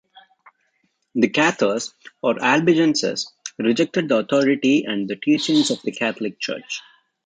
The Cathars or Albigenses rejected the authority and the teachings of the Catholic Church.